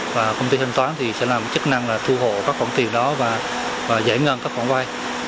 và công ty thanh toán thì sẽ làm chức năng là thu hộ các khoản tiền đó và giải ngân các khoản vay